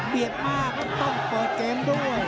เบียบมากก็ต้องเปิดเกมด้วย